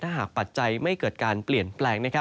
หากปัจจัยไม่เกิดการเปลี่ยนแปลง